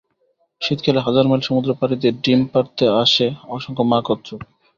শীতকালে হাজার মাইল সমুদ্র পাড়ি দিয়ে ডিম পাড়তে আসে অসংখ্য মা কচ্ছপ।